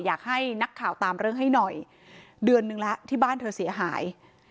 อยากให้นักข่าวตามเรื่องให้หน่อยเดือนนึงแล้วที่บ้านเธอเสียหาย